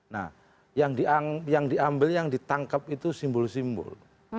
nah yang diambil yang ditangkap itu simbol simbol